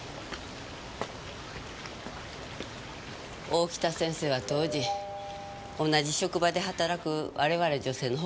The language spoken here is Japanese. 大北先生は当時同じ職場で働く我々女性の誇りでした。